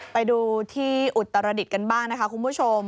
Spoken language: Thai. ไปดูที่อุตรดิษฐ์กันบ้างนะคะคุณผู้ชม